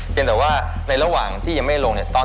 แต่ว่าในระหว่างที่ยังไม่ลงเนี่ย